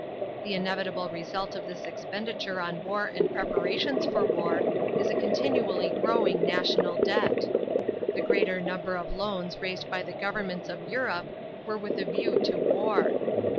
The inevitable result of this expenditure on war and preparations for war is a continually growing national debt. The greater number of loans raised by the governments of Europe were with a view to war.